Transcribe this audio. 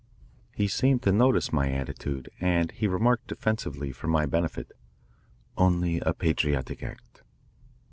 He seemed to notice my attitude and he remarked defensively for my benefit, "Only a patriotic act."